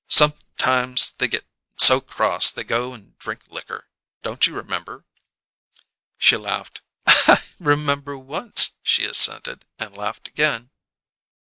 Sometimes they get so cross they go and drink liquor. Don't you remember?" She laughed. "I remember once!" she assented, and laughed again.